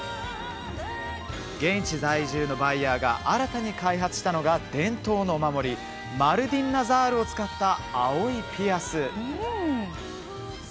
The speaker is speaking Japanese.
現地在住のバイヤーが新たに開発したのが伝統のお守りマルディンナザールを使った青いピアス。